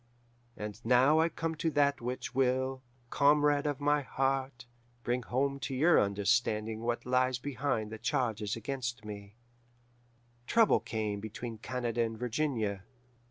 "And now I come to that which will, comrade of my heart, bring home to your understanding what lies behind the charges against me: "Trouble came between Canada and Virginia.